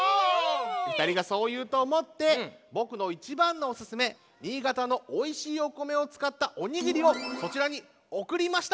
ふたりがそういうとおもってぼくのいちばんのおすすめ新潟のおいしいお米をつかったおにぎりをそちらにおくりました！